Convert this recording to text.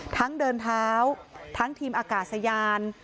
เดินเท้าทั้งทีมอากาศยาน